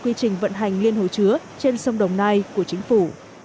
quy trình vận hành liên hồ chứa trên sông đồng nai của chính phủ